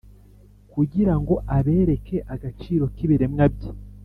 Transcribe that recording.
kugira ngo abereke agaciro k’ibiremwa bye,